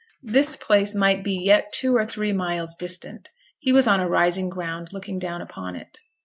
This place might be yet two or three miles distant; he was on a rising ground looking down upon it.